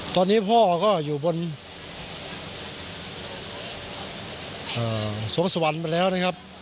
ตอนนี้พ่อก็อยู่บนสวงสวรรค์มาแล้วนะครับ